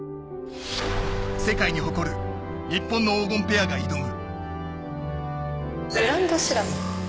世界に誇る日本の黄金ペアが挑む。